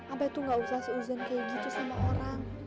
abah tuh gak usah seuzan kayak gitu sama orang